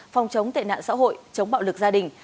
phòng chống tệ nạn xã hội chống bạo lực gia đình